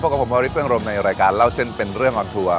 กับผมวาริสเฟื้องรมในรายการเล่าเส้นเป็นเรื่องออนทัวร์